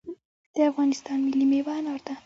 د افغانستان ملي میوه انار ده